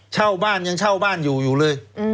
เช่าบ้านยังเช่าบ้านอยู่อยู่เลย